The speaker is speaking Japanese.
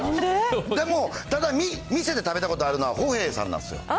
でもただ店で食べたことあるのは、歩兵さんなんですよ。